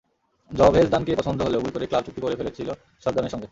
জভেজদানকে পছন্দ হলেও ভুল করে ক্লাব চুক্তি করে ফেলেছিল সরদানের সঙ্গে।